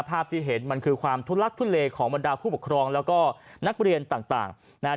ภาพที่เห็นมันคือความทุลักทุเลของบรรดาผู้ปกครองแล้วก็นักเรียนต่างนะฮะ